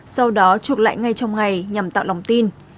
sau đó chuộc lại ngay trong ngày nhằm tạo lòng tin